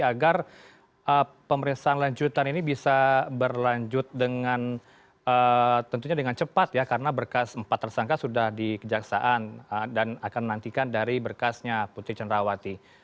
agar pemeriksaan lanjutan ini bisa berlanjut dengan tentunya dengan cepat ya karena berkas empat tersangka sudah di kejaksaan dan akan menantikan dari berkasnya putri cenrawati